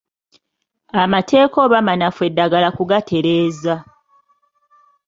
Amateeka oba manafu eddagala kugatereeza.